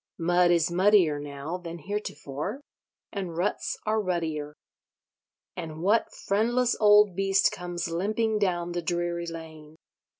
Mud is muddier now than heretofore; and ruts are ruttier. And what friendless old beast comes limping down the dreary lane?